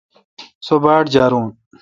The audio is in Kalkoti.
سو باڑجارون۔